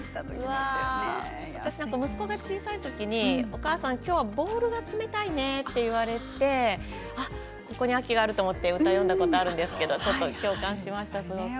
私、息子が小さい時にお母さん今日ボールが冷たいねと言われてここに秋があると思って歌を詠んだことがありますが共感しました、すごく。